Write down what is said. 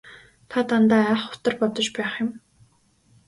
Та дандаа айхавтар бодож байх юм.